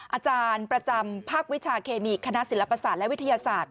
อาจารย์ประจำภาควิชาเคมีคณะศิลปศาสตร์และวิทยาศาสตร์